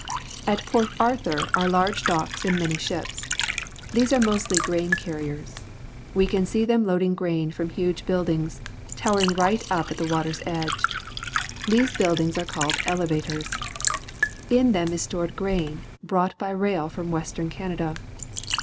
At Port Arthur are large docks and many ships. These are mostly grain carriers. We can see them loading grain from huge buildings, towering up right at the water's edge. These buildings are called elevators. In them is stored grain brought by rail from Western Canada.